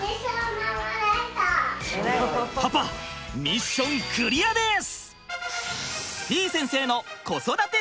パパミッションクリアです！